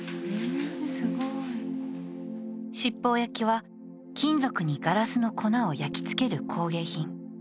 七宝焼きは金属にガラスの粉を焼き付ける工芸品。